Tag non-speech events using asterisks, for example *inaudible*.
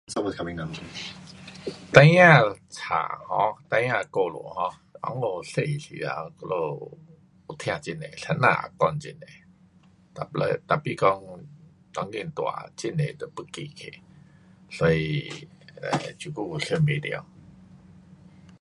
*noise* 孩儿书 um 孩儿故事 um 温故小时头我们有听很多先生讲很多，tapi 讲当今大了很多都不记去，所以 um 这久想不到。